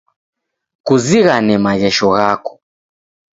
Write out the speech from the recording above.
Kuzighane maghesho ghako.